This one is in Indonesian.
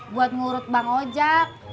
buat ngurut bang ojak